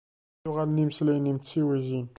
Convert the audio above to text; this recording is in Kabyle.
Ad uɣalen yimeslayen-im d tiwiztin.